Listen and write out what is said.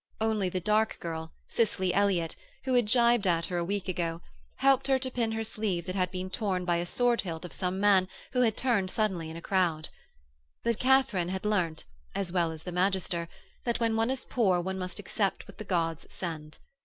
Only the dark girl, Cicely Elliott, who had gibed at her a week ago, helped her to pin her sleeve that had been torn by a sword hilt of some man who had turned suddenly in a crowd. But Katharine had learnt, as well as the magister, that when one is poor one must accept what the gods send.